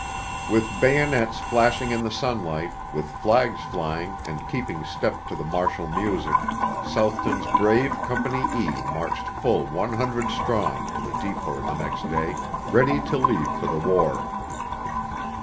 With bayonets flashing in the sunlight, with flags flying and keeping step to the martial music, Southton's brave Company E marched full one hundred strong to the depot the next day, ready to leave for the war.